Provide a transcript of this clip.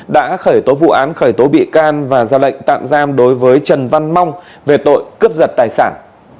đã khởi tố vụ án khởi tố bị can và ra lệnh tạm giam đối với trần văn mong về tội cướp giật tài sản